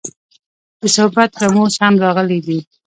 د صحبت رموز هم راغلي دي.